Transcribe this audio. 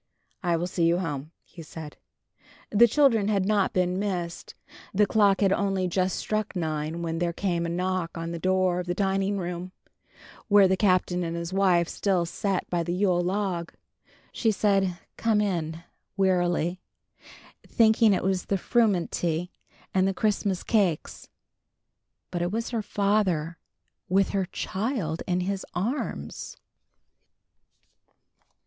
"I will see you home," he said. The children had not been missed. The clock had only just struck nine when there came a knock on the door of the dining room, where the Captain and his wife still sat by the Yule log. She said "Come in," wearily, thinking it was the frumenty and the Christmas cakes. But it was her father, with her child in his arms!